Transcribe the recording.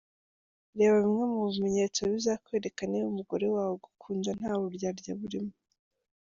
Reba bimwe mu bimenyetso bizakwereka niba umugore wawe agukunda nta buryarya burimo.